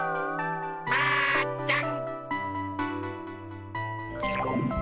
マーちゃん。